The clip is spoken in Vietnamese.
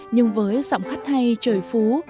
nhưng với giọng khách hay trời phú